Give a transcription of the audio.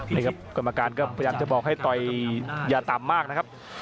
นี่ครับกรรมการก็พยายามจะบอกให้ต่อยอย่าต่ำมากนะครับ